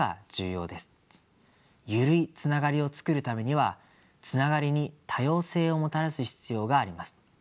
緩いつながりを作るためにはつながりに多様性をもたらす必要があります。